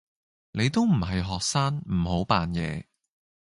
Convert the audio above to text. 你都唔係學生，唔好扮野